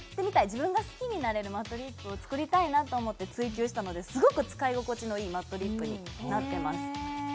自分が好きになれるマットリップを作りたいなと思って追求したのですごく使い心地のいいマットリップになってます